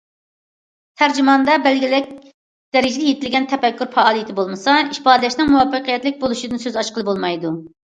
تەرجىماندا بەلگىلىك دەرىجىدە يېتىلگەن تەپەككۇر پائالىيىتى بولمىسا، ئىپادىلەشنىڭ مۇۋەپپەقىيەتلىك بولۇشىدىن سۆز ئاچقىلى بولمايدۇ.